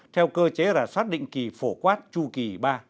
theo cơ chế rà soát định kỳ phổ quát chu kỳ ba